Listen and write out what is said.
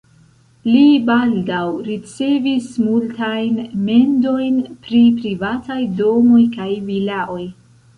Li baldaŭ ricevis multajn mendojn pri privataj domoj kaj vilaoj.